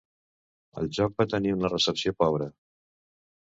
El joc va tenir una recepció pobre.